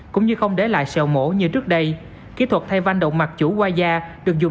cũng như không để lại sẹo mổ như trước đây kỹ thuật thay van động mặt chủ qua da được dùng